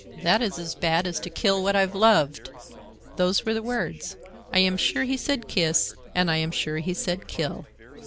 That is as bad as to kill what I've loved.' Those were the words. I am sure he said kiss and I am sure he said kill."